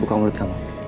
buka mulut kamu